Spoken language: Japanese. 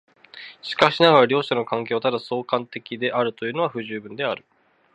しかしながら両者の関係をただ相関的であるというのは不十分である。